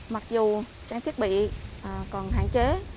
mặc dù trang thiết bị còn hạn chế